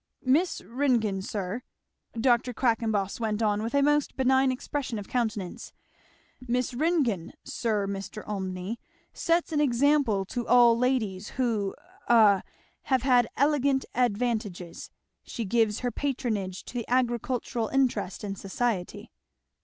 "Miss Ringgan, sir," Dr. Quackenboss went on with a most benign expression of countenance, "Miss Ringgan, sir, Mr. Olmney, sets an example to all ladies who a have had elegant advantages. She gives her patronage to the agricultural interest in society."